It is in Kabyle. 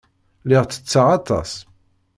Lliɣ ttetteɣ aṭas.